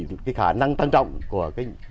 vì khả năng tăng trọng của chăn nuôi